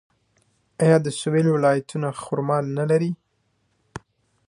آیا د سویل ولایتونه خرما نلري؟